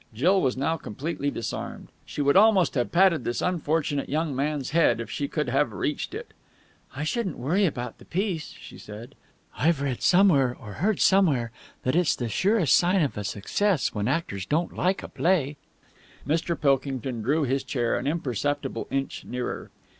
Jill was now completely disarmed. She would almost have patted this unfortunate young man's head, if she could have reached it. "I shouldn't worry about the piece," she said. "I've read somewhere or heard somewhere that it's the surest sign of a success when actors don't like a play." Mr. Pilkington drew his chair an imperceptible inch nearer.